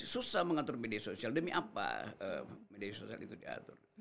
susah mengatur media sosial demi apa media sosial itu diatur